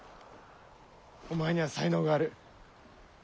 お前には才能がある。